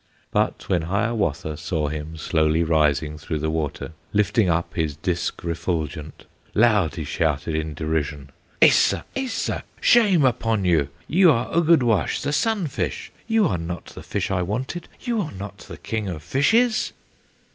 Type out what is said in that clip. But when Hiawatha saw him Slowly rising through the water, Lifting up his disk refulgent, Loud he shouted in derision, "Esa! esa! shame upon you! You are Ugudwash, the sun fish, You are not the fish I wanted, You are not the King of Fishes!"